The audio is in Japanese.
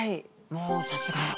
もうさすが。